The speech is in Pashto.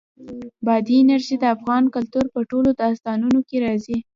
بادي انرژي د افغان کلتور په ټولو داستانونو کې راځي.